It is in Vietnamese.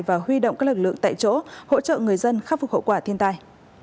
và huy động các lực lượng tại chỗ hỗ trợ người dân khắc phục hậu quả thiên tai